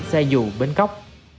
xe dụ bến cóc